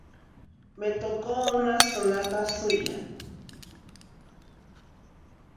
Me tocó una sonata suya.